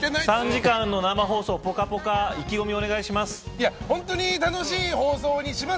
３時間の生放送、ぽかぽか意気込みをお願いします。